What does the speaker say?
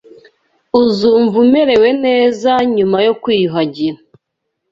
Uzumva umerewe neza nyuma yo kwiyuhagira.